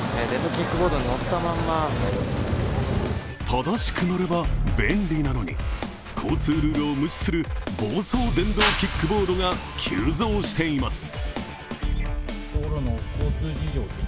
正しく乗れば便利なのに、交通ルールを無視する暴走電動キックボードが急増しています。